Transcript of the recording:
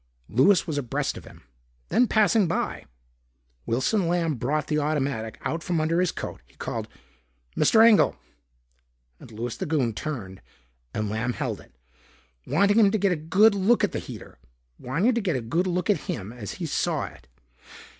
Louis was abreast of him, then passing by. Wilson Lamb brought the automatic out from under his coat. He called, "Mr. Engel " And Louis the Goon turned and Lamb held it, wanting him to get a good look at the heater, wanting to get a good look at him as he saw it.